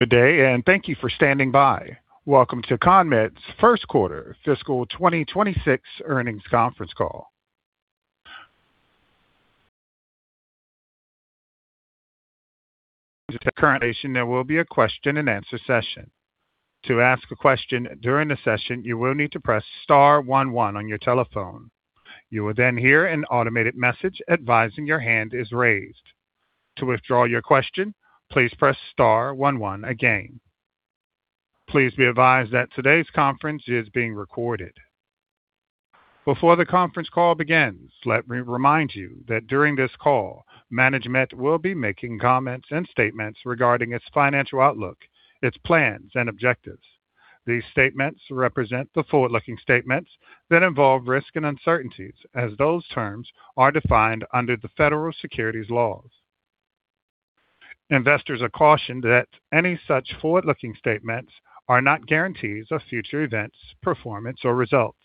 Good day. Thank you for standing by. Welcome to CONMED's Q1 FY 2026 earnings conference call. Currently, there will be a question-and-answer session. To ask a question during the session, you will need to press star one one on your telephone. You will hear an automated message advising your hand is raised. To withdraw your question, please press star one one again. Please be advised that today's conference is being recorded. Before the conference call begins, let me remind you that during this call, management will be making comments and statements regarding its financial outlook, its plans, and objectives. These statements represent the forward-looking statements that involve risks and uncertainties as those terms are defined under the federal securities laws. Investors are cautioned that any such forward-looking statements are not guarantees of future events, performance, or results.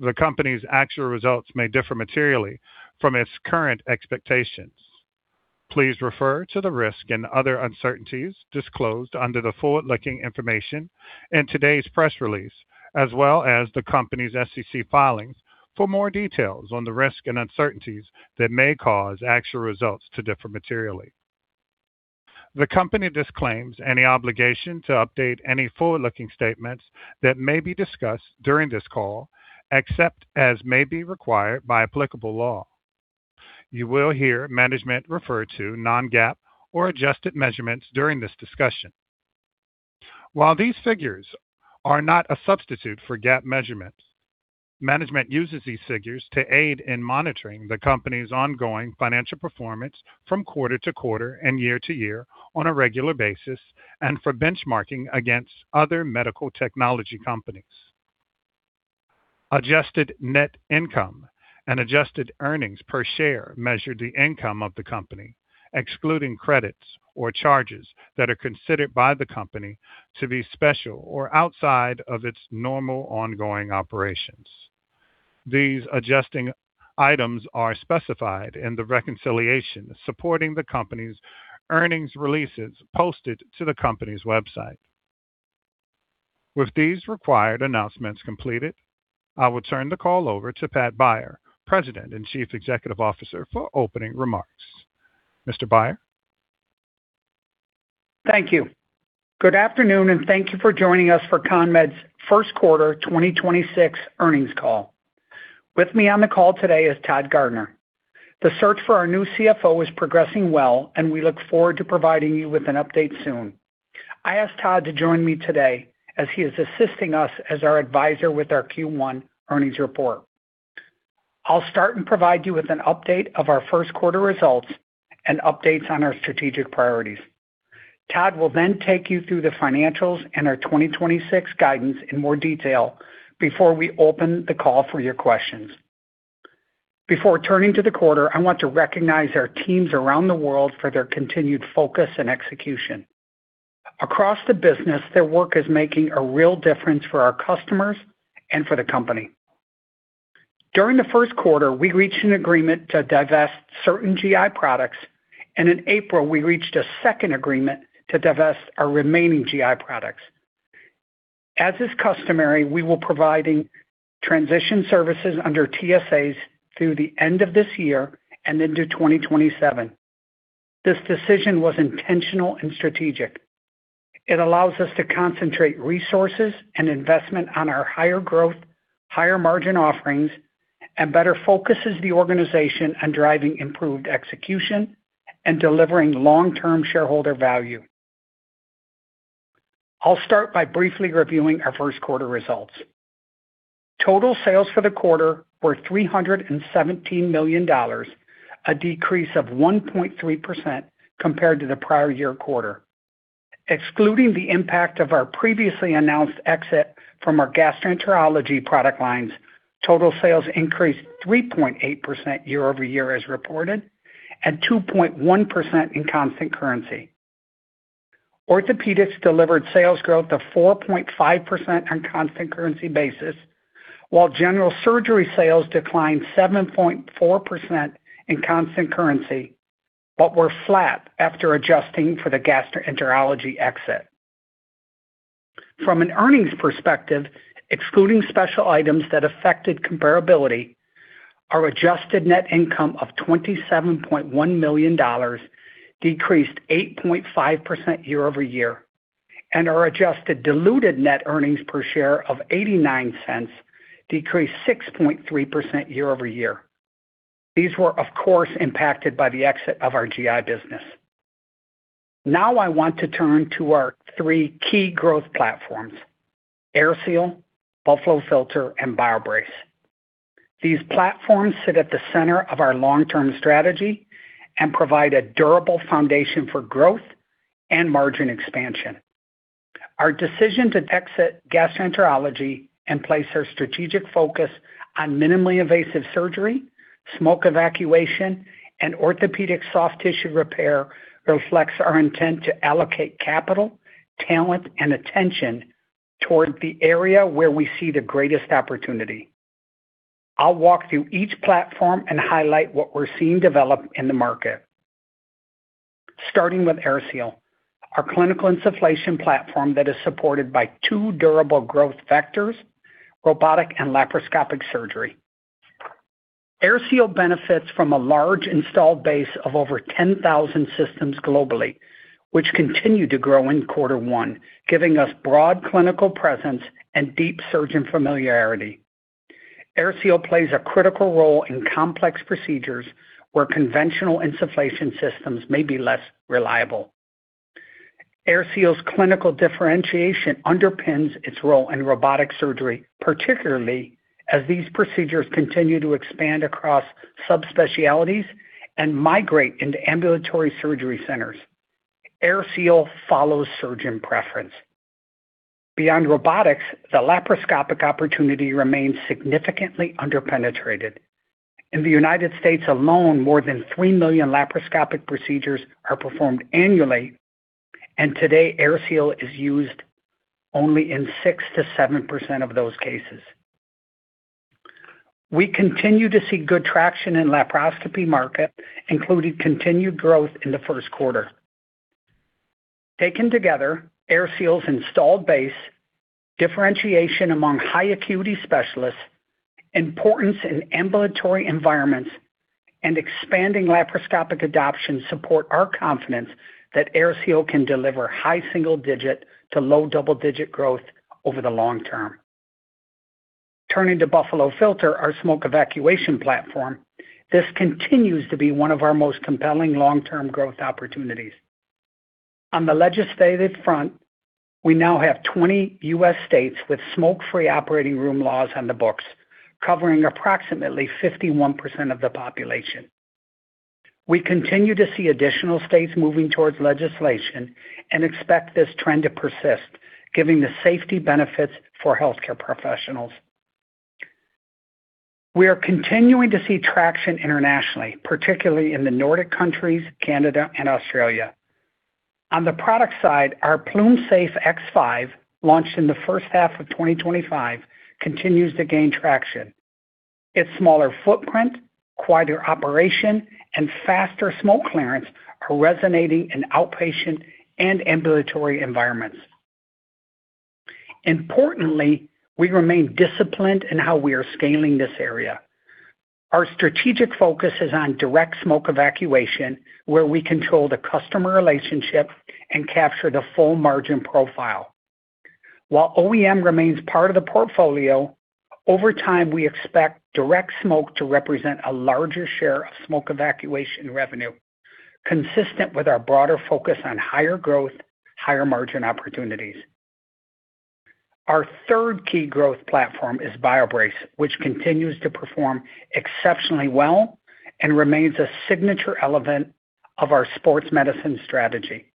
The company's actual results may differ materially from its current expectations. Please refer to the risk and other uncertainties disclosed under the forward-looking information in today's press release, as well as the company's SEC filings for more details on the risks and uncertainties that may cause actual results to differ materially. The company disclaims any obligation to update any forward-looking statements that may be discussed during this call, except as may be required by applicable law. You will hear management refer to non-GAAP or adjusted measurements during this discussion. While these figures are not a substitute for GAAP measurements, management uses these figures to aid in monitoring the company's ongoing financial performance from quarter to quarter and year to year on a regular basis and for benchmarking against other medical technology companies. Adjusted net income and adjusted earnings per share measure the income of the company, excluding credits or charges that are considered by the company to be special or outside of its normal ongoing operations. These adjusting items are specified in the reconciliation supporting the company's earnings releases posted to the company's website. With these required announcements completed, I will turn the call over to Patrick Beyer, President and Chief Executive Officer, for opening remarks. Mr. Beyer. Thank you. Good afternoon, and thank you for joining us for CONMED's Q1 2026 earnings call. With me on the call today is Todd Garner. The search for our new CFO is progressing well, and we look forward to providing you with an update soon. I asked Todd to join me today as he is assisting us as our advisor with our Q1 earnings report. I'll start and provide you with an update of our Q1 results and updates on our strategic priorities. Todd will then take you through the financials and our 2026 guidance in more detail before we open the call for your questions. Before turning to the quarter, I want to recognize our teams around the world for their continued focus and execution. Across the business, their work is making a real difference for our customers and for the company. During the Q1, we reached an agreement to divest certain GI products, and in April, we reached a second agreement to divest our remaining GI products. As is customary, we will providing transition services under TSAs through the end of this year and into 2027. This decision was intentional and strategic. It allows us to concentrate resources and investment on our higher growth, higher margin offerings and better focuses the organization on driving improved execution and delivering long-term shareholder value. I'll start by briefly reviewing our Q1 results. Total sales for the quarter were $317 million, a decrease of 1.3% compared to the prior year quarter. Excluding the impact of our previously announced exit from our gastroenterology product lines, total sales increased 3.8% year-over-year as reported and 2.1% in constant currency. Orthopedics delivered sales growth of 4.5% on constant currency basis, while general surgery sales declined 7.4% in constant currency but were flat after adjusting for the gastroenterology exit. From an earnings perspective, excluding special items that affected comparability, our adjusted net income of $27.1 million decreased 8.5% year-over-year, and our adjusted diluted net earnings per share of $0.89 decreased 6.3% year-over-year. These were, of course, impacted by the exit of our GI business. I want to turn to our three key growth platforms: AirSeal, Buffalo Filter, and BioBrace. These platforms sit at the center of our long-term strategy and provide a durable foundation for growth and margin expansion. Our decision to exit gastroenterology and place our strategic focus on minimally invasive surgery, smoke evacuation, and orthopedic soft tissue repair reflects our intent to allocate capital, talent, and attention toward the area where we see the greatest opportunity. I'll walk through each platform and highlight what we're seeing develop in the market. Starting with AirSeal, our clinical insufflation platform that is supported by two durable growth vectors, robotic and laparoscopic surgery. AirSeal benefits from a large installed base of over 10,000 systems globally, which continue to grow in Q1, giving us broad clinical presence and deep surgeon familiarity. AirSeal plays a critical role in complex procedures where conventional insufflation systems may be less reliable. AirSeal's clinical differentiation underpins its role in robotic surgery, particularly as these procedures continue to expand across subspecialties and migrate into ambulatory surgery centers. AirSeal follows surgeon preference. Beyond robotics, the laparoscopic opportunity remains significantly under-penetrated. In the U.S. alone, more than 3 million laparoscopic procedures are performed annually, and today, AirSeal is used only in 6%-7% of those cases. We continue to see good traction in laparoscopy market, including continued growth in the Q1. Taken together, AirSeal's installed base, differentiation among high acuity specialists, importance in ambulatory environments, and expanding laparoscopic adoption support our confidence that AirSeal can deliver high single-digit to low double-digit growth over the long term. Turning to Buffalo Filter, our smoke evacuation platform, this continues to be one of our most compelling long-term growth opportunities. On the legislative front, we now have 20 U.S. states with smoke-free operating room laws on the books, covering approximately 51% of the population. We continue to see additional states moving towards legislation and expect this trend to persist, giving the safety benefits for healthcare professionals. We are continuing to see traction internationally, particularly in the Nordic countries, Canada, and Australia. On the product side, our PlumeSafe X5, launched in the H1 2025, continues to gain traction. Its smaller footprint, quieter operation, and faster smoke clearance are resonating in outpatient and ambulatory environments. Importantly, we remain disciplined in how we are scaling this area. Our strategic focus is on direct smoke evacuation, where we control the customer relationship and capture the full margin profile. While OEM remains part of the portfolio, over time, we expect direct smoke to represent a larger share of smoke evacuation revenue, consistent with our broader focus on higher growth, higher margin opportunities. Our third key growth platform is BioBrace, which continues to perform exceptionally well and remains a signature element of our sports medicine strategy.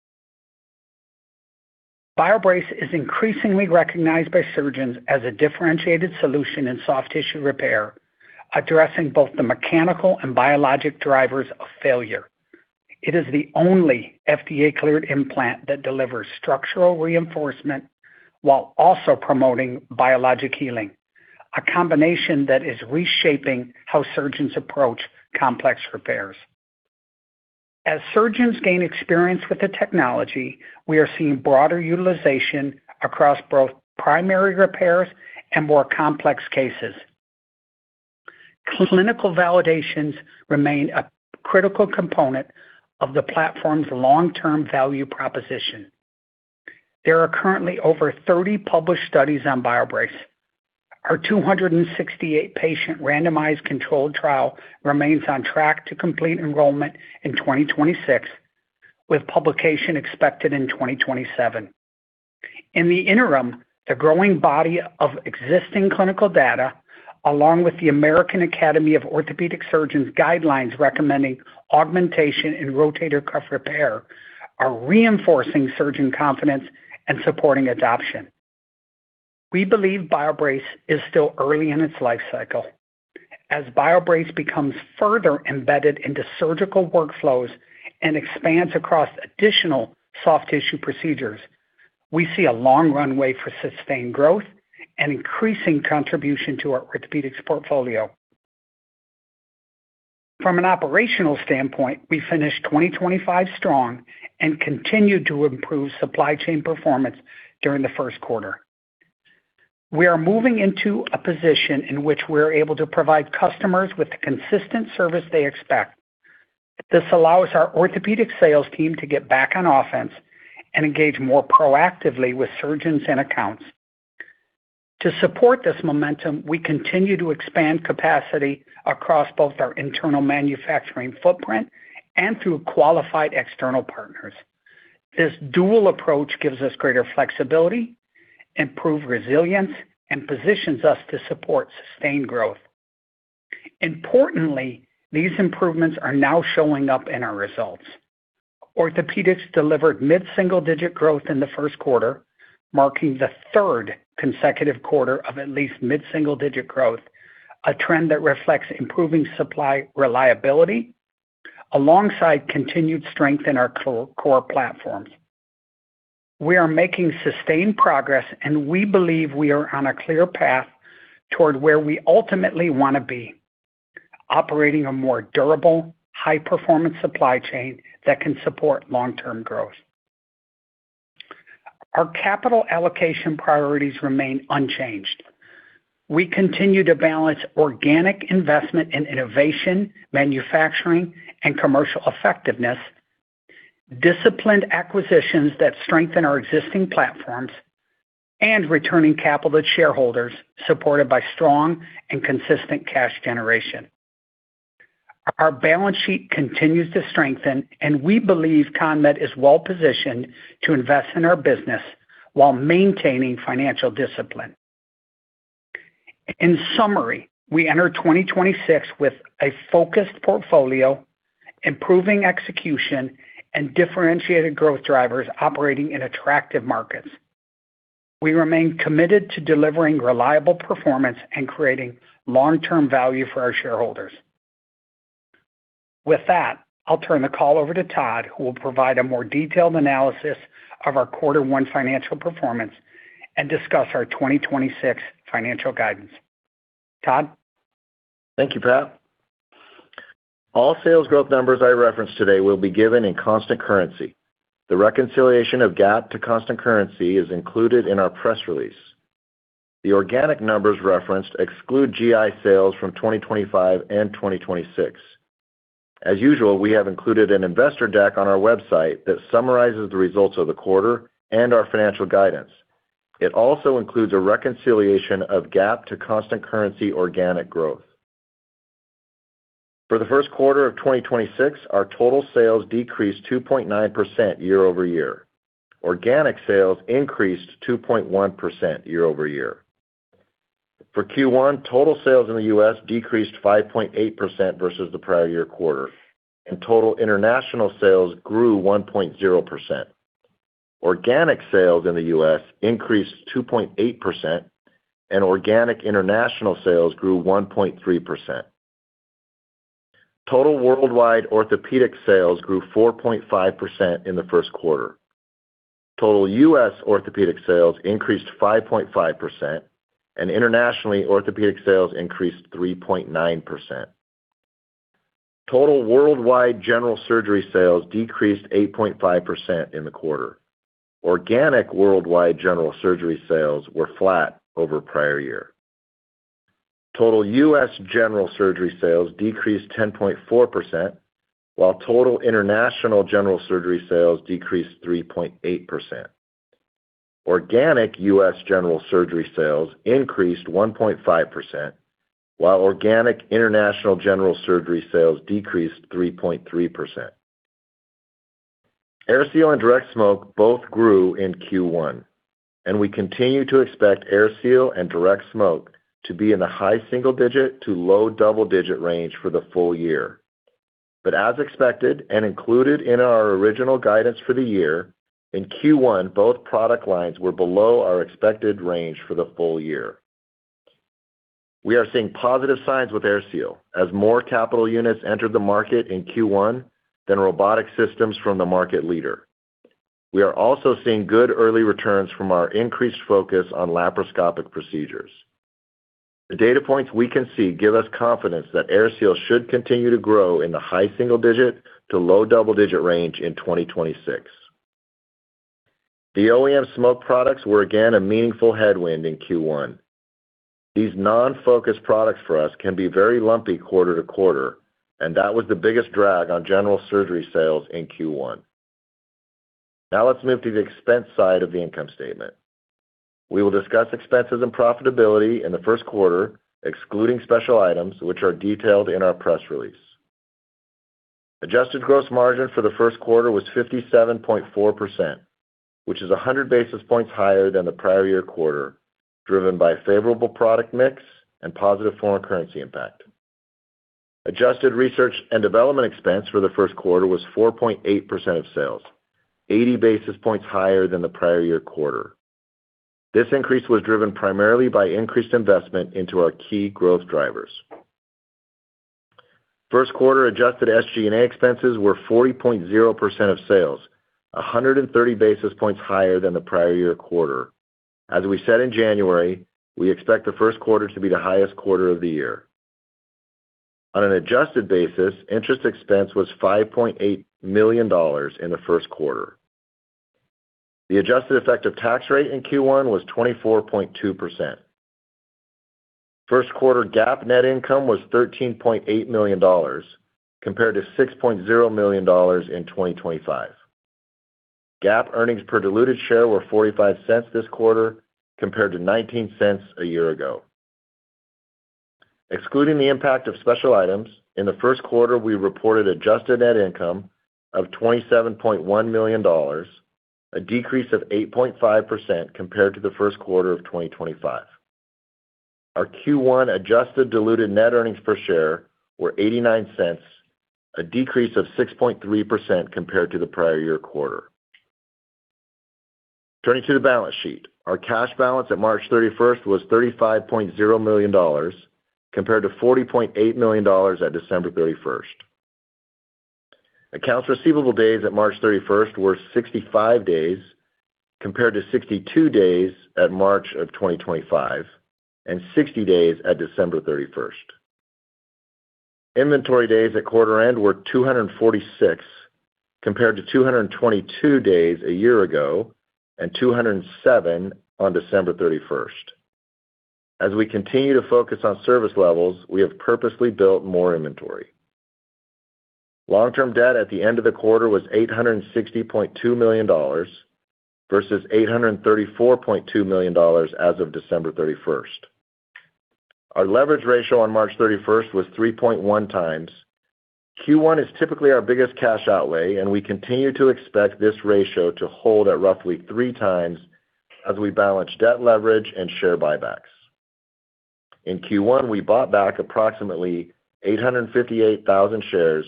BioBrace is increasingly recognized by surgeons as a differentiated solution in soft tissue repair, addressing both the mechanical and biologic drivers of failure. It is the only FDA-cleared implant that delivers structural reinforcement while also promoting biologic healing, a combination that is reshaping how surgeons approach complex repairs. As surgeons gain experience with the technology, we are seeing broader utilization across both primary repairs and more complex cases. Clinical validations remain a critical component of the platform's long-term value proposition. There are currently over 30 published studies on BioBrace. Our 268 patient randomized controlled trial remains on track to complete enrollment in 2026, with publication expected in 2027. In the interim, the growing body of existing clinical data, along with the American Academy of Orthopaedic Surgeons' guidelines recommending augmentation in rotator cuff repair, are reinforcing surgeon confidence and supporting adoption. We believe BioBrace is still early in its life cycle. As BioBrace becomes further embedded into surgical workflows and expands across additional soft tissue procedures, we see a long runway for sustained growth and increasing contribution to our orthopedics portfolio. From an operational standpoint, we finished 2025 strong and continued to improve supply chain performance during the 1st quarter. We are moving into a position in which we're able to provide customers with the consistent service they expect. This allows our orthopedic sales team to get back on offense and engage more proactively with surgeons and accounts. To support this momentum, we continue to expand capacity across both our internal manufacturing footprint and through qualified external partners. This dual approach gives us greater flexibility, improved resilience, and positions us to support sustained growth. Importantly, these improvements are now showing up in our results. Orthopedics delivered mid-single-digit growth in the Q1, marking the third consecutive quarter of at least mid-single-digit growth, a trend that reflects improving supply reliability alongside continued strength in our core platforms. We are making sustained progress, and we believe we are on a clear path toward where we ultimately wanna be, operating a more durable, high-performance supply chain that can support long-term growth. Our capital allocation priorities remain unchanged. We continue to balance organic investment in innovation, manufacturing, and commercial effectiveness, disciplined acquisitions that strengthen our existing platforms, and returning capital to shareholders, supported by strong and consistent cash generation. Our balance sheet continues to strengthen, and we believe CONMED is well-positioned to invest in our business while maintaining financial discipline. In summary, we enter 2026 with a focused portfolio, improving execution, and differentiated growth drivers operating in attractive markets. We remain committed to delivering reliable performance and creating long-term value for our shareholders. With that, I'll turn the call over to Todd, who will provide a more detailed analysis of our Q1 financial performance and discuss our 2026 financial guidance. Todd? Thank you, Pat. All sales growth numbers I reference today will be given in constant currency. The reconciliation of GAAP to constant currency is included in our press release. The organic numbers referenced exclude GI sales from 2025 and 2026. As usual, we have included an investor deck on our website that summarizes the results of the quarter and our financial guidance. It also includes a reconciliation of GAAP to constant currency organic growth. For the Q1 2026, our total sales decreased 2.9% year-over-year. Organic sales increased 2.1% year-over-year. For Q1, total sales in the U.S. decreased 5.8% versus the prior year quarter, and total international sales grew 1.0%. Organic sales in the U.S. increased 2.8%, and organic international sales grew 1.3%. Total worldwide orthopedic sales grew 4.5% in the Q1. Total U.S. orthopedic sales increased 5.5%, and internationally, orthopedic sales increased 3.9%. Total worldwide general surgery sales decreased 8.5% in the quarter. Organic worldwide general surgery sales were flat over prior year. Total U.S. general surgery sales decreased 10.4%, while total international general surgery sales decreased 3.8%. Organic U.S. general surgery sales increased 1.5%, while organic international general surgery sales decreased 3.3%. AirSeal and Direct Smoke both grew in Q1, and we continue to expect AirSeal and Direct Smoke to be in the high single-digit to low double-digit range for the full -year. As expected and included in our original guidance for the year, in Q1, both product lines were below our expected range for the full-year. We are seeing positive signs with AirSeal as more capital units entered the market in Q1 than robotic systems from the market leader. We are also seeing good early returns from our increased focus on laparoscopic procedures. The data points we can see give us confidence that AirSeal should continue to grow in the high single-digit to low double-digit range in 2026. The OEM smoke products were again a meaningful headwind in Q1. These non-focused products for us can be very lumpy quarter-to-quarter, and that was the biggest drag on general surgery sales in Q1. Let's move to the expense side of the income statement. We will discuss expenses and profitability in the Q1, excluding special items which are detailed in our press release. Adjusted gross margin for the Q1 was 57.4%, which is 100 basis points higher than the prior year quarter, driven by favorable product mix and positive foreign currency impact. Adjusted research and development expense for the Q1 was 4.8% of sales, 80 basis points higher than the prior year quarter. This increase was driven primarily by increased investment into our key growth drivers. First quarter adjusted SG&A expenses were 40.0% of sales, 130 basis points higher than the prior year quarter. As we said in January, we expect the Q1 to be the highest quarter of the year. On an adjusted basis, interest expense was $5.8 million in the Q1. The adjusted effective tax rate in Q1 was 24.2%. Q1 GAAP net income was $13.8 million, compared to $6.0 million in 2025. GAAP earnings per diluted share were $0.45 this quarter, compared to $0.19 a year ago. Excluding the impact of special items, in the Q1, we reported adjusted net income of $27.1 million, a decrease of 8.5% compared to the Q1 2025. Our Q1 adjusted diluted net earnings per share were $0.89, a decrease of 6.3% compared to the prior year quarter. Turning to the balance sheet. Our cash balance at March 31 was $35.0 million, compared to $40.8 million at December 31. Accounts receivable days at March 31 were 65 days compared to 62 days at March of 2025 and 60 days at December 31. Inventory days at quarter end were 246 compared to 222 days a year ago and 207 on December 31. As we continue to focus on service levels, we have purposely built more inventory. Long-term debt at the end of the quarter was $860.2 million versus $834.2 million as of December 31. Our leverage ratio on March 31 was 3.1x. Q1 is typically our biggest cash outlay, and we continue to expect this ratio to hold at roughly three times as we balance debt leverage and share buybacks. In Q1, we bought back approximately 858,000 shares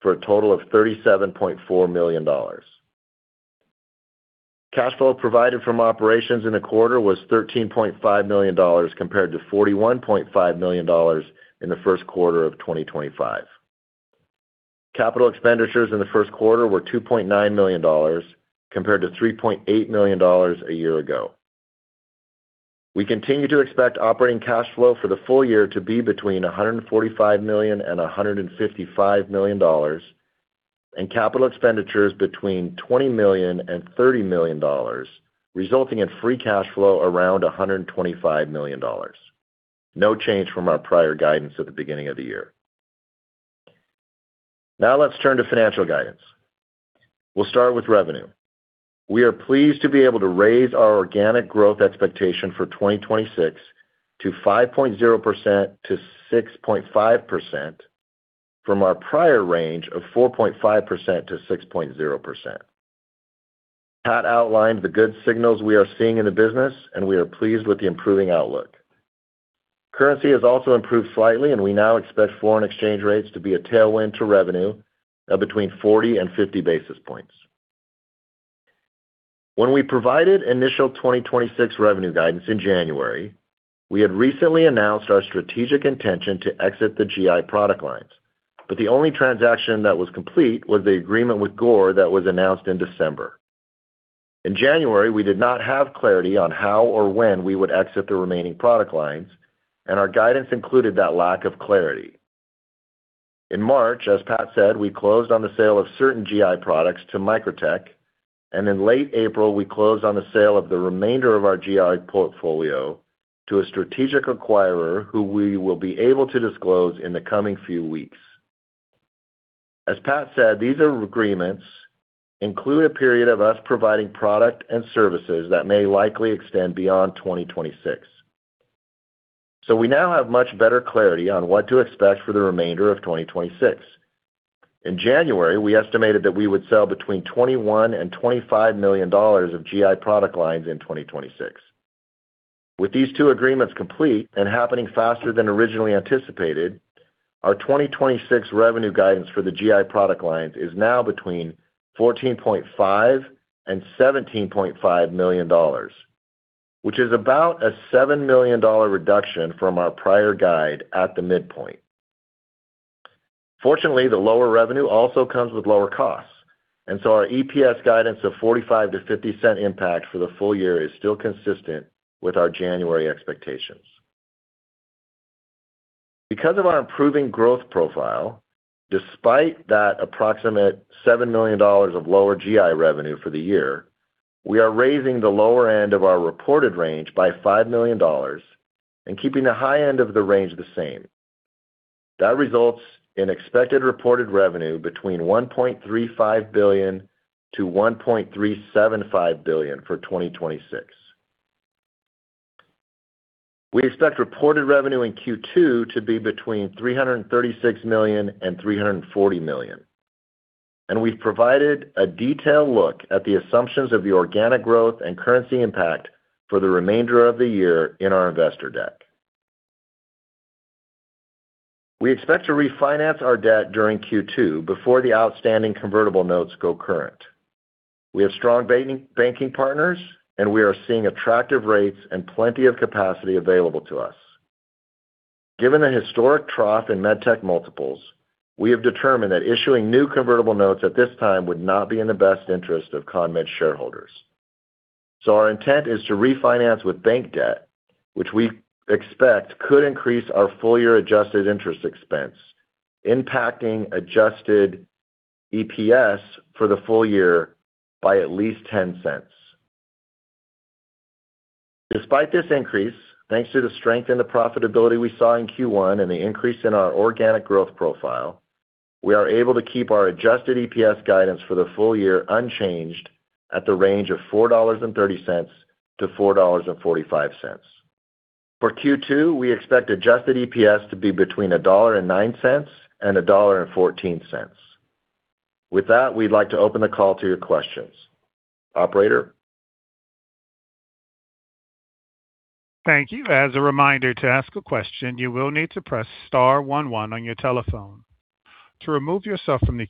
for a total of $37.4 million. Cash flow provided from operations in the quarter was $13.5 million compared to $41.5 million in the Q1 2025. Capital expenditures in the Q1 were $2.9 million compared to $3.8 million a year ago. We continue to expect operating cash flow for the full-year to be between $145 million and $155 million and capital expenditures between $20 million and $30 million, resulting in free cash flow around $125 million. No change from our prior guidance at the beginning of the year. Let's turn to financial guidance. We'll start with revenue. We are pleased to be able to raise our organic growth expectation for 2026 to 5.0%-6.5% from our prior range of 4.5%-6.0%. Patrick outlined the good signals we are seeing in the business, and we are pleased with the improving outlook. Currency has also improved slightly, and we now expect foreign exchange rates to be a tailwind to revenue of between 40 basis points and 50 basis points. When we provided initial 2026 revenue guidance in January, we had recently announced our strategic intention to exit the GI product lines, but the only transaction that was complete was the agreement with Gore that was announced in December. In January, we did not have clarity on how or when we would exit the remaining product lines, and our guidance included that lack of clarity. In March, as Pat said, we closed on the sale of certain GI products to Micro-Tech, and in late April, we closed on the sale of the remainder of our GI portfolio to a strategic acquirer who we will be able to disclose in the coming few weeks. As Pat said, these agreements include a period of us providing product and services that may likely extend beyond 2026. We now have much better clarity on what to expect for the remainder of 2026. In January, we estimated that we would sell between $21 million and $25 million of GI product lines in 2026. With these two agreements complete and happening faster than originally anticipated, our 2026 revenue guidance for the GI product lines is now between $14.5 million and $17.5 million, which is about a $7 million reduction from our prior guide at the midpoint. Fortunately, the lower revenue also comes with lower costs, our EPS guidance of $0.45-$0.50 impact for the full-year is still consistent with our January expectations. Because of our improving growth profile, despite that approximate $7 million of lower GI revenue for the year, we are raising the lower end of our reported range by $5 million and keeping the high end of the range the same. That results in expected reported revenue between $1.35 billion-$1.375 billion for 2026. We expect reported revenue in Q2 to be between $336 million and $340 million. We've provided a detailed look at the assumptions of the organic growth and currency impact for the remainder of the year in our investor deck. We expect to refinance our debt during Q2 before the outstanding convertible notes go current. We have strong banking partners, and we are seeing attractive rates and plenty of capacity available to us. Given the historic trough in med tech multiples, we have determined that issuing new convertible notes at this time would not be in the best interest of CONMED shareholders. Our intent is to refinance with bank debt, which we expect could increase our full-year adjusted interest expense, impacting adjusted EPS for the full-year by at least $0.10. Despite this increase, thanks to the strength and the profitability we saw in Q1 and the increase in our organic growth profile, we are able to keep our adjusted EPS guidance for the full-year unchanged at the range of $4.30-$4.45. For Q2, we expect adjusted EPS to be between $1.09 and $1.14. With that, we'd like to open the call to your questions. Operator? Our first question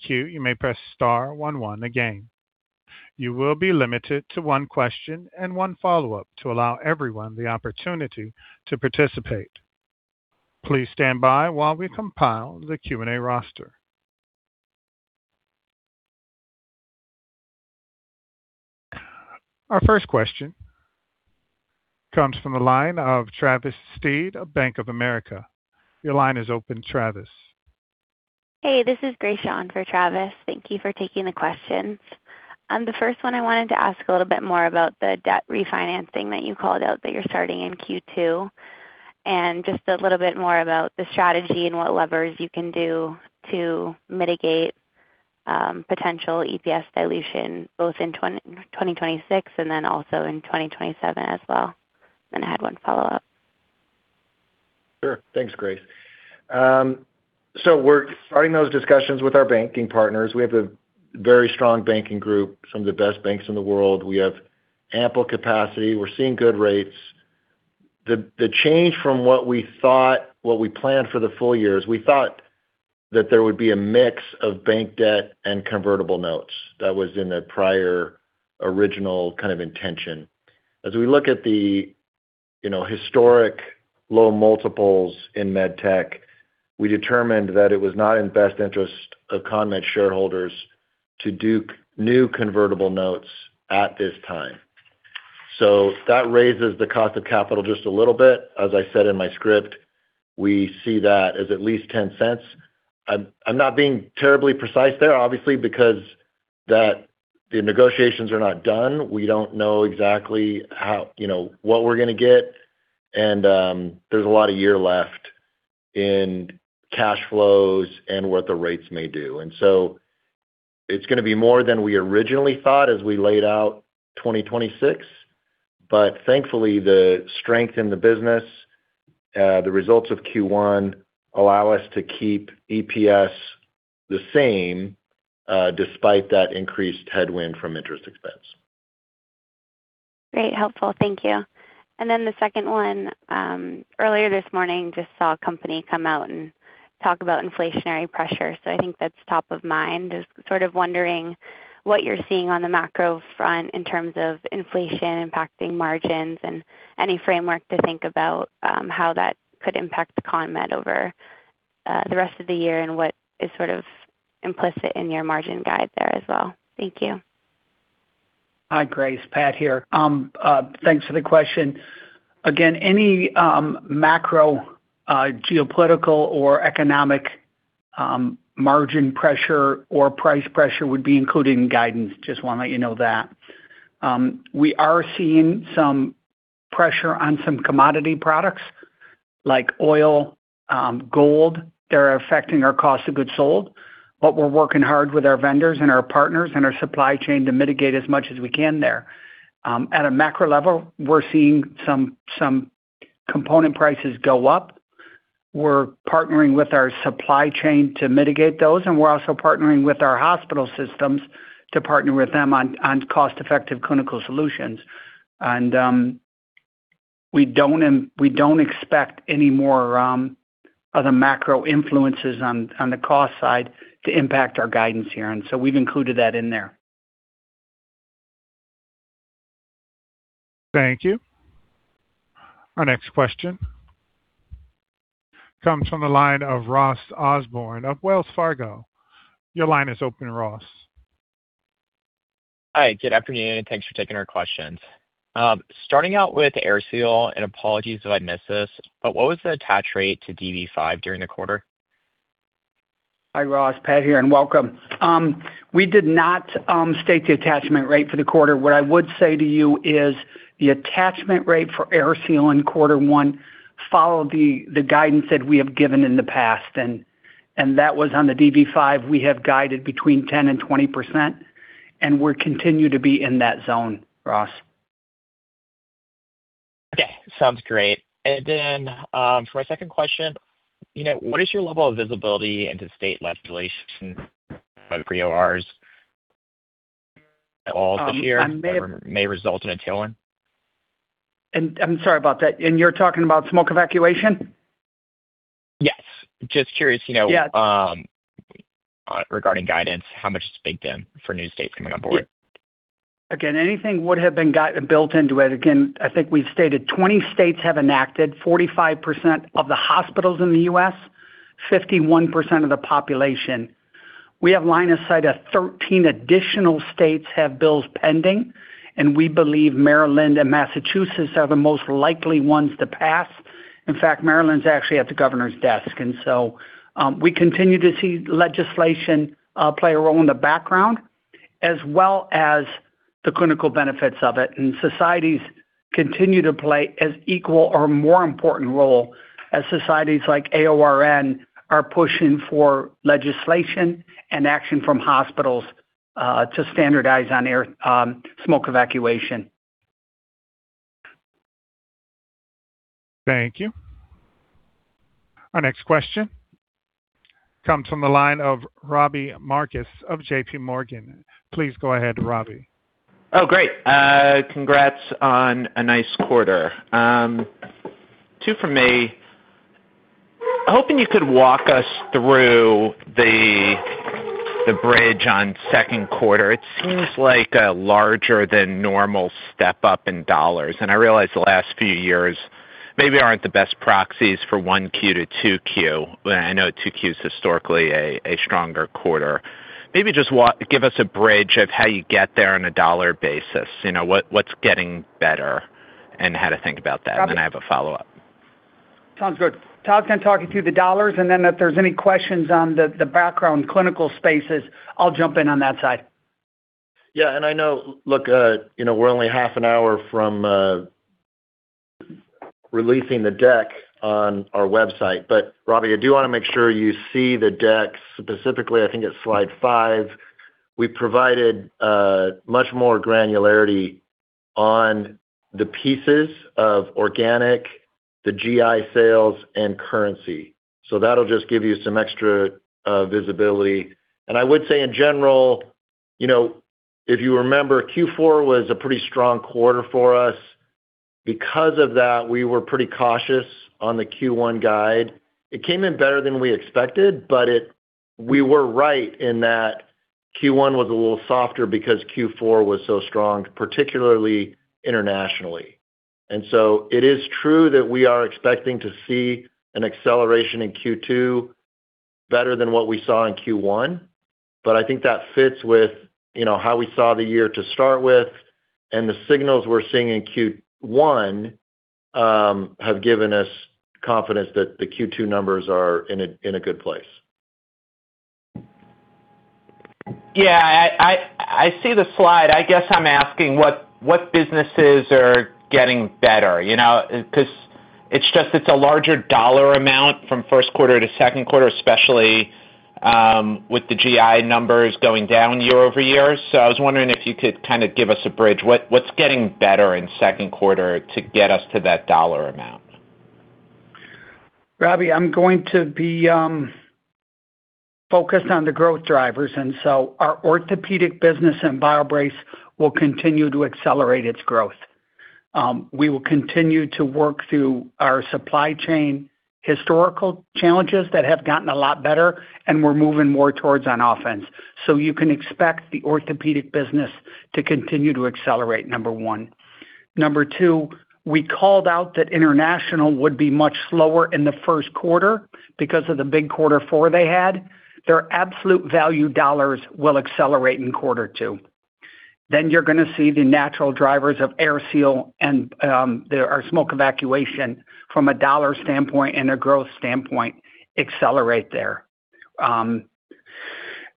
comes from the line of Travis Steed of Bank of America. Your line is open, Travis. Hey, this is Grace on for Travis. Thank you for taking the questions. The first one, I wanted to ask a little bit more about the debt refinancing that you called out that you're starting in Q2, and just a little bit more about the strategy and what levers you can do to mitigate potential EPS dilution, both in 2026 and also in 2027 as well. I had one follow-up. Sure. Thanks, Grace. We're starting those discussions with our banking partners. We have a very strong banking group, some of the best banks in the world. We have ample capacity. We're seeing good rates. The change from what we thought, what we planned for the full year is we thought that there would be a mix of bank debt and convertible notes. That was in the prior original kind of intention. As we look at the, you know, historic low multiples in med tech, we determined that it was not in best interest of CONMED shareholders to do new convertible notes at this time. That raises the cost of capital just a little bit. As I said in my script, we see that as at least $0.10. I'm not being terribly precise there, obviously, because the negotiations are not done. We don't know exactly how, you know, what we're gonna get. There's a lot of year left in cash flows and what the rates may do. It's gonna be more than we originally thought as we laid out 2026. Thankfully, the strength in the business, the results of Q1 allow us to keep EPS the same, despite that increased headwind from interest expense. Great. Helpful. Thank you. The second one, earlier this morning, just saw a company come out and talk about inflationary pressure. I think that's top of mind. Just sort of wondering what you're seeing on the macro front in terms of inflation impacting margins and any framework to think about how that could impact CONMED over the rest of the year and what is sort of implicit in your margin guide there as well. Thank you. Hi, Grace. Pat here. Thanks for the question. Again, any macro, geopolitical or economic, margin pressure or price pressure would be included in guidance. Just want to let you know that. We are seeing some pressure on some commodity products like oil, gold. They're affecting our cost of goods sold, but we're working hard with our vendors and our partners and our supply chain to mitigate as much as we can there. At a macro level, we're seeing some component prices go up. We're partnering with our supply chain to mitigate those, and we're also partnering with our hospital systems to partner with them on cost-effective clinical solutions. We don't expect any more other macro influences on the cost side to impact our guidance here. We've included that in there. Thank you. Our next question comes from the line Ross Abram of Wells Fargo. Your line is open, Ross. Hi. Good afternoon, and thanks for taking our questions. Starting out with AirSeal, and apologies if I missed this, but what was the attach rate to DV5 during the quarter? Hi, Ross. Pat here, and welcome. We did not state the attachment rate for the quarter. What I would say to you is the attachment rate for AirSeal in Q1 followed the guidance that we have given in the past. That was on the dV5 we have guided between 10% and 20%, and we continue to be in that zone, Ross. Okay. Sounds great. For my second question, you know, what is your level of visibility into state legislation by the peri-ORs at all this year? Um, I'm- That may result in a tailwind? I'm sorry about that. You're talking about smoke evacuation? Yes. Just curious, you know. Yes. Regarding guidance, how much is baked in for new states coming on board? Anything would have been built into it. I think we've stated 20 states have enacted 45% of the hospitals in the U.S., 51% of the population. We have line of sight of 13 additional states have bills pending. We believe Maryland and Massachusetts are the most likely ones to pass. In fact, Maryland's actually at the governor's desk. We continue to see legislation play a role in the background as well as the clinical benefits of it. Societies continue to play as equal or more important role as societies like AORN are pushing for legislation and action from hospitals to standardize on smoke evacuation. Thank you. Our next question comes from the line of Robbie Marcus of JPMorgan. Please go ahead, Robbie. Oh, great. Congrats on a nice quarter. Two from me. I'm hoping you could walk us through the bridge on second quarter. It seems like a larger than normal step up in dollars. I realize the last few years maybe aren't the best proxies for Q1-Q12. I know Q2 is historically a stronger quarter. Maybe just give us a bridge of how you get there on a dollar basis. You know, what's getting better and how to think about that. Then I have a follow-up. Sounds good. Todd can talk you through the dollars, and then if there's any questions on the background clinical spaces, I'll jump in on that side. Yeah. I know. Look, you know, we're only half an hour from releasing the deck on our website, but Robbie, I do wanna make sure you see the deck. Specifically, I think it's Slide 5. We provided much more granularity on the pieces of organic, the GI sales and currency. That'll just give you some extra visibility. I would say in general, you know, if you remember, Q4 was a pretty strong quarter for us. Because of that, we were pretty cautious on the Q1 guide. It came in better than we expected, but we were right in that Q1 was a little softer because Q4 was so strong, particularly internationally. It is true that we are expecting to see an acceleration in Q2 better than what we saw in Q1, but I think that fits with, you know, how we saw the year to start with, and the signals we're seeing in Q1 have given us confidence that the Q2 numbers are in a good place. Yeah. I see the slide. I guess I'm asking what businesses are getting better? You know, 'cause it's just, it's a larger dollar amount from Q1 to second quarter, especially, with the GI numbers going down year-over-year. I was wondering if you could kinda give us a bridge. What's getting better in second quarter to get us to that dollar amount? Robbie, I'm going to be focused on the growth drivers. Our orthopedic business and BioBrace will continue to accelerate its growth. We will continue to work through our supply chain historical challenges that have gotten a lot better, and we're moving more towards on offense. You can expect the orthopedic business to continue to accelerate, number 1. Number 2, we called out that international would be much slower in the Q1 because of the big Q4 they had. Their absolute value dollars will accelerate in Q2. You're gonna see the natural drivers of AirSeal and our smoke evacuation from a dollar standpoint and a growth standpoint accelerate there.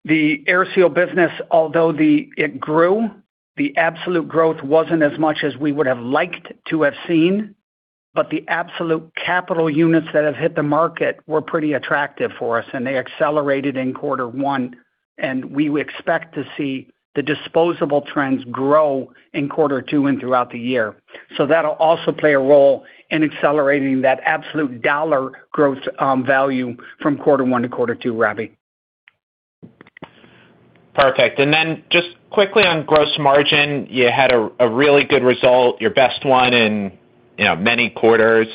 The AirSeal business, although it grew, the absolute growth wasn't as much as we would have liked to have seen, but the absolute capital units that have hit the market were pretty attractive for us, and they accelerated in Q1, and we expect to see the disposable trends grow in Q2 and throughout the year. That'll also play a role in accelerating that absolute dollar growth value from Q1-Q2, Robbie. Perfect. Then just quickly on gross margin, you had a really good result, your best one in, you know, many quarters.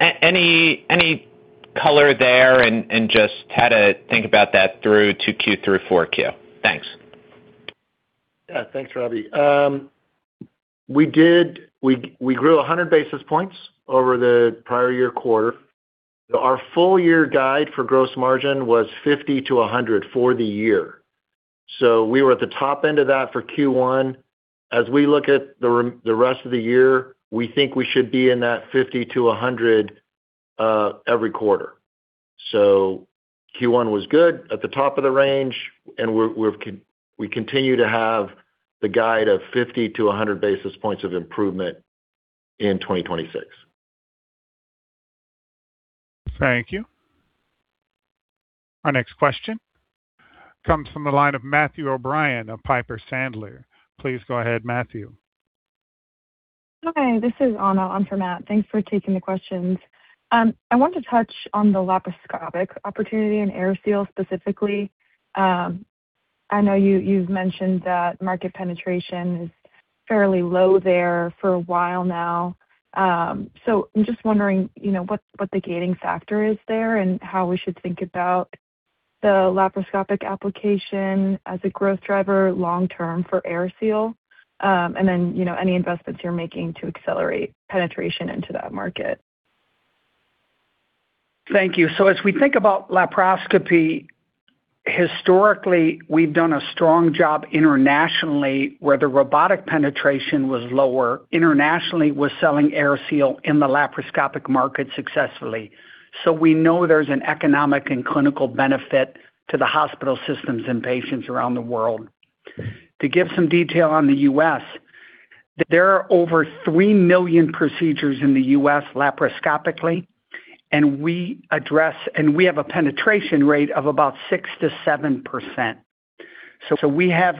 any color there and just how to think about that through to Q3 or Q4? Thanks. Yeah. Thanks, Robbie. We grew 100 basis points over the prior year quarter. Our full-year guide for gross margin was 50 basis points-100 basis points for the year. We were at the top end of that for Q1. As we look at the rest of the year, we think we should be in that 50 basis points-100 basis points every quarter. Q1 was good at the top of the range, and we continue to have the guide of 50 basis points -100 basis points of improvement in 2026. Thank you. Our next question comes from the line of Matthew O'Brien of Piper Sandler. Please go ahead, Matthew. Okay. This is Anna on for Matt. Thanks for taking the questions. I want to touch on the laparoscopic opportunity in AirSeal specifically. I know you've mentioned that market penetration is fairly low there for a while now. I'm just wondering, you know, what the gating factor is there and how we should think about the laparoscopic application as a growth driver long term for AirSeal. You know, any investments you're making to accelerate penetration into that market. Thank you. As we think about laparoscopy, historically, we've done a strong job internationally, where the robotic penetration was lower, internationally was selling AirSeal in the laparoscopic market successfully. We know there's an economic and clinical benefit to the hospital systems and patients around the world. To give some detail on the U.S., there are over 3 million procedures in the U.S. laparoscopically, and we have a penetration rate of about 6%-7%. We have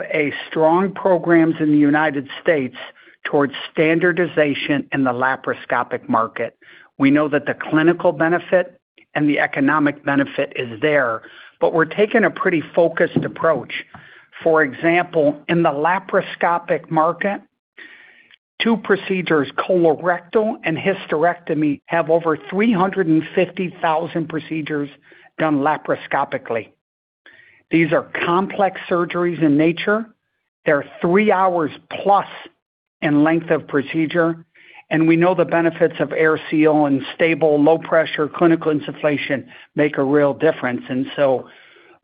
strong programs in the United States towards standardization in the laparoscopic market. We know that the clinical benefit and the economic benefit is there. We're taking a pretty focused approach. For example, in the laparoscopic market. Two procedures, colorectal and hysterectomy, have over 350,000 procedures done laparoscopically. These are complex surgeries in nature. They're three hours plus in length of procedure, and we know the benefits of AirSeal and stable, low pressure clinical insufflation make a real difference.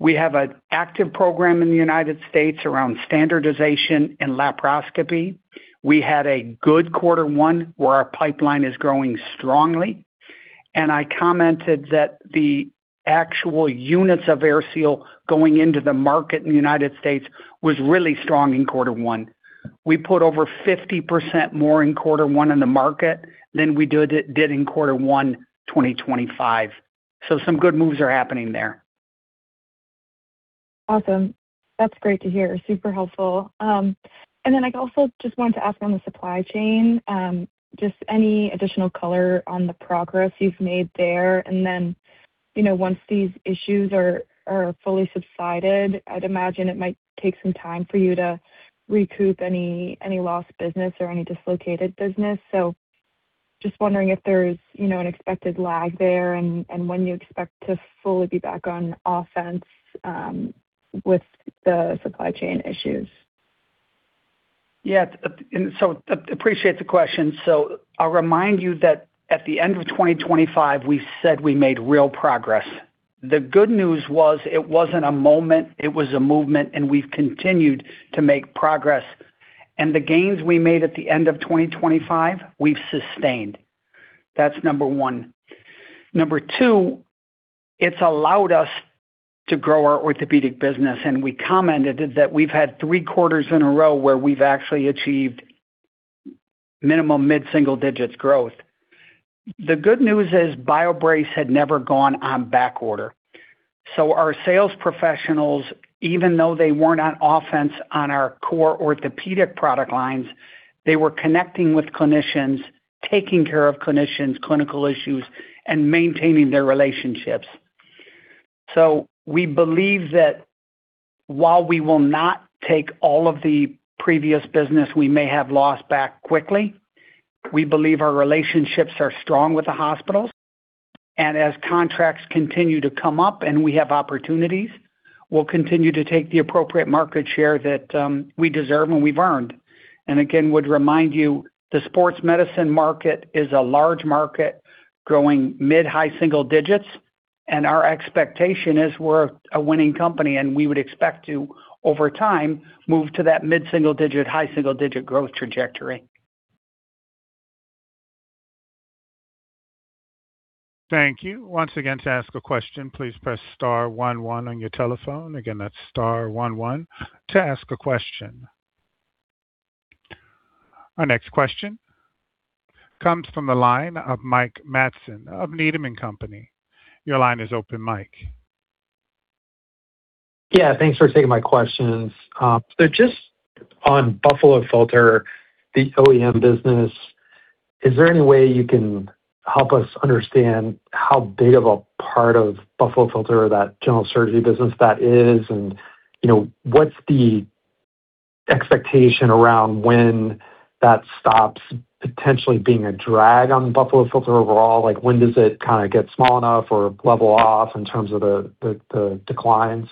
We have an active program in the U.S. around standardization and laparoscopy. We had a good Q1 where our pipeline is growing strongly. I commented that the actual units of AirSeal going into the market in the U.S. was really strong in Q1. We put over 50% more in Q1 in the market than we did in Q1, 2025. Some good moves are happening there. Awesome. That's great to hear. Super helpful. I also just wanted to ask on the supply chain, just any additional color on the progress you've made there. You know, once these issues are fully subsided, I'd imagine it might take some time for you to recoup any lost business or any dislocated business. Just wondering if there's, you know, an expected lag there and when you expect to fully be back on offense, with the supply chain issues. Appreciate the question. I'll remind you that at the end of 2025, we said we made real progress. The good news was it wasn't a moment, it was a movement, and we've continued to make progress. The gains we made at the end of 2025, we've sustained. That's number one. Number two, it's allowed us to grow our orthopedic business, and we commented that we've had three quarters in a row where we've actually achieved minimum mid-single digits growth. The good news is BioBrace had never gone on back order. Our sales professionals, even though they weren't on offense on our core orthopedic product lines, they were connecting with clinicians, taking care of clinicians' clinical issues, and maintaining their relationships. We believe that while we will not take all of the previous business we may have lost back quickly, we believe our relationships are strong with the hospitals. As contracts continue to come up and we have opportunities, we'll continue to take the appropriate market share that we deserve and we've earned. Again, would remind you, the sports medicine market is a large market growing mid-high single digits, and our expectation is we're a winning company and we would expect to, over time, move to that mid-single digit, high single-digit growth trajectory. Thank you. Once again, to ask a question, please press star one one on your telephone. Again, that's star one one to ask a question. Our next question comes from the line of Mike Matson of Needham & Company. Your line is open, Mike. Yeah, thanks for taking my questions. Just on Buffalo Filter, the OEM business, is there any way you can help us understand how big of a part of Buffalo Filter that general surgery business that is? You know, what's the expectation around when that stops potentially being a drag on Buffalo Filter overall? Like, when does it kind of get small enough or level off in terms of the declines?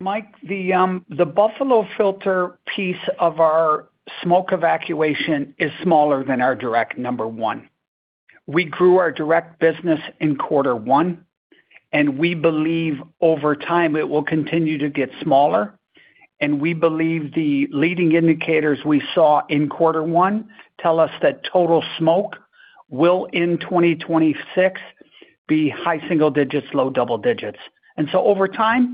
Mike, the Buffalo Filter piece of our smoke evacuation is smaller than our Direct Smoke number one. We grew our Direct Smoke business in Q1, and we believe over time it will continue to get smaller. We believe the leading indicators we saw in Q1 tell us that total smoke will, in 2026, be high single digits, low double digits. Okay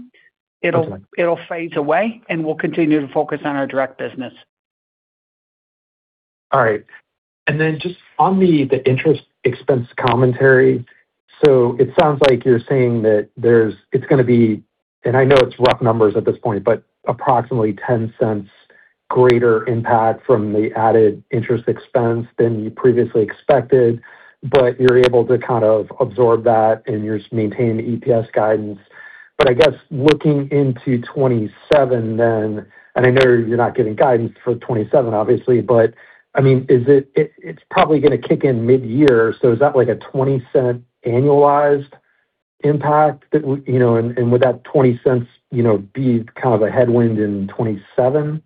it'll fade away, and we'll continue to focus on our direct business. All right. Just on the interest expense commentary. It sounds like you're saying that it's gonna be, and I know it's rough numbers at this point, but approximately $0.10 greater impact from the added interest expense than you previously expected, but you're able to kind of absorb that and you're maintaining the EPS guidance. I guess looking into 2027 then, and I know you're not giving guidance for 2027, obviously, but I mean, is it's probably gonna kick in mid-year, is that like a $0.20 annualized impact that you know, and would that $0.20, you know, be kind of a headwind in 2027?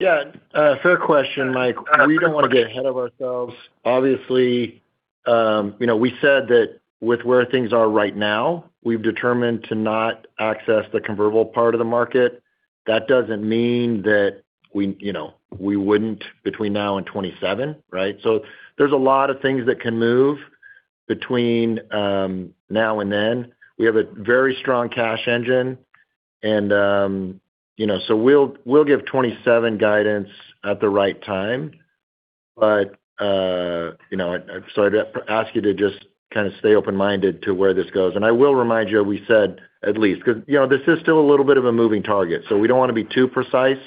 Yeah. Fair question, Mike. We don't want to get ahead of ourselves. Obviously, you know, we said that with where things are right now, we've determined to not access the convertible part of the market. That doesn't mean that we, you know, we wouldn't between now and 2027, right? There's a lot of things that can move between now and then. We have a very strong cash engine and, you know, we'll give 2027 guidance at the right time. You know, I'd ask you to just kind of stay open-minded to where this goes. I will remind you, we said at least, 'cause, you know, this is still a little bit of a moving target, we don't want to be too precise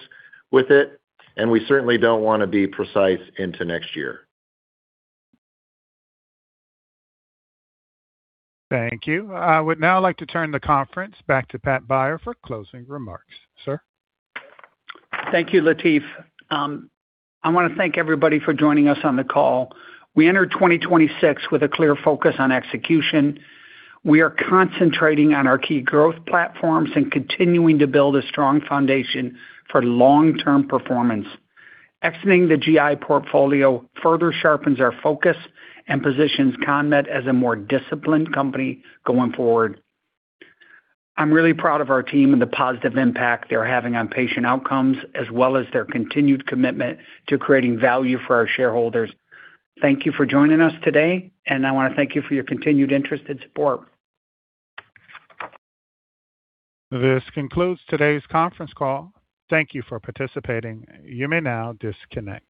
with it, and we certainly don't want to be precise into next year. Thank you. I would now like to turn the conference back to Patrick Beyer for closing remarks. Sir. Thank you, Latif. I wanna thank everybody for joining us on the call. We entered 2026 with a clear focus on execution. We are concentrating on our key growth platforms and continuing to build a strong foundation for long-term performance. Exiting the GI portfolio further sharpens our focus and positions CONMED as a more disciplined company going forward. I'm really proud of our team and the positive impact they're having on patient outcomes, as well as their continued commitment to creating value for our shareholders. Thank you for joining us today, and I want to thank you for your continued interest and support. This concludes today's conference call. Thank you for participating. You may now disconnect.